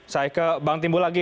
saya ke bang timbul lagi